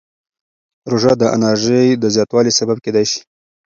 روژه د انرژۍ د زیاتوالي سبب کېدای شي.